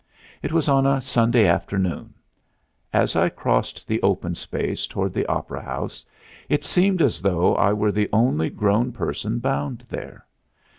It was on a Sunday afternoon. As I crossed the open space toward the opera house it seemed as though I were the only grown person bound there.